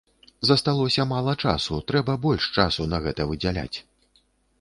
Засталося мала часу, трэба больш часу на гэта выдзяляць.